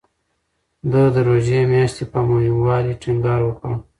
ده د روژې میاشتې په مهموالي ټینګار وکړ.